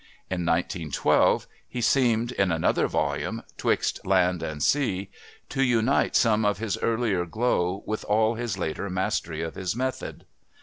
In 1912 he seemed, in another volume, 'Twixt Land and Sea, to unite some of his earlier glow with all his later mastery of his method.